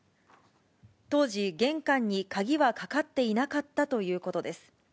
当時、玄関に鍵はかかっていなかったということです。